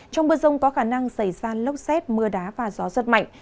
trong mưa rông có khả năng xảy ra lốc xét mưa đá và gió giật mạnh